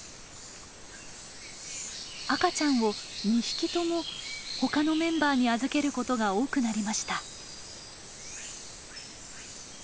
赤ちゃんを２匹ともほかのメンバーに預けることが多くなりました。